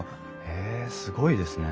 へえすごいですね。